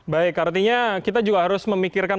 baik artinya kita juga harus memikirkan